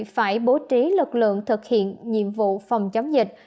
phải bố trí lực lượng thực hiện nhiệm vụ phòng chống dịch